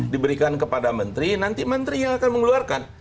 diberikan kepada menteri nanti menteri yang akan mengeluarkan